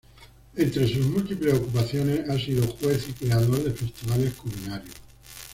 Entre sus múltiples ocupaciones ha sido juez y creador de festivales culinarios.